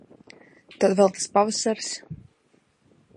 Tad vēl tas pavasaris...